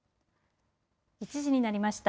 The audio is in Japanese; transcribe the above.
１時になりました。